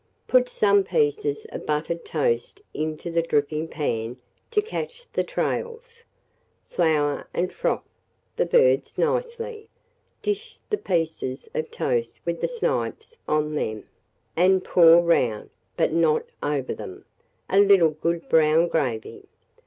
Put some pieces of buttered toast into the dripping pan to catch the trails; flour and froth the birds nicely, dish the pieces of toast with the snipes on them, and pour round, but not over them, a little good brown gravy.